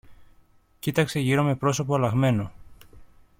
Κοίταξε γύρω με πρόσωπο αλλαγμένο.